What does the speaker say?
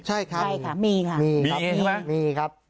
ใช่ค่ะมีค่ะมีใช่ไหมมีครับ